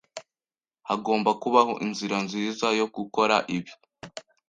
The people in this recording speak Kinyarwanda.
Hagomba kubaho inzira nziza yo gukora ibi.